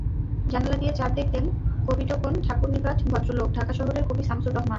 জানালা দিয়ে চাঁদ দেখতেন কবিটোকন ঠাকুরনিপাট ভদ্রলোক, ঢাকা শহরের কবি শামসুর রাহমান।